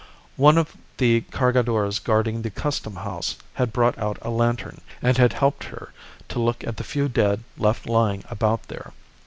One of the Cargadores guarding the Custom House had brought out a lantern, and had helped her to look at the few dead left lying about there.